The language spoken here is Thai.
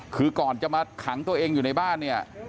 คือก่อนจะมาขังตัวเองอยู่ในบ้านเนี่ย